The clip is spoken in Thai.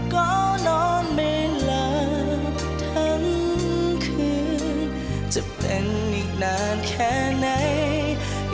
ก็นอนไม่หลับทั้งคืนจะเป็นอีกนานแค่ไหน